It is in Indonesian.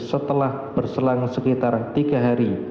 setelah berselang sekitar tiga hari